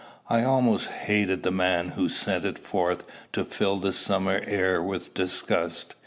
I almost hated the man who sent it forth to fill the summer air with disgust.